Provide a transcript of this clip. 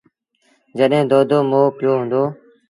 جڏهيݩ دودو مئو پيو هُݩدو۔